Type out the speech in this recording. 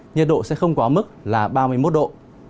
nhiệt độ sẽ không quá mức là ba mươi một độ